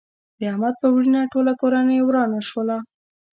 د احمد په مړینه ټوله کورنۍ ورانه شوله.